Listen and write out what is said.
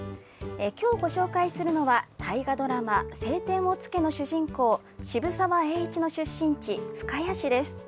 きょうご紹介するのは、大河ドラマ、青天を衝けの主人公、渋沢栄一の出身地、深谷市です。